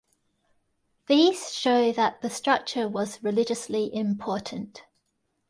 These show that the structure was religiously important.